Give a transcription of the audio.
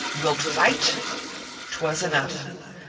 Wilt fight ?" Twas enough